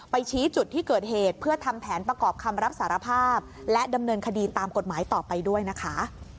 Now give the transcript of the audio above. ชี้จุดที่เกิดเหตุเพื่อทำแผนประกอบคำรับสารภาพและดำเนินคดีตามกฎหมายต่อไปด้วยนะคะ